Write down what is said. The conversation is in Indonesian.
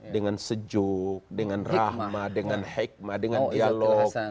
dengan sejuk dengan rahma dengan hikmah dengan dialog